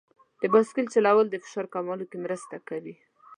د بایسکل چلول د فشار کمولو کې مرسته کوي.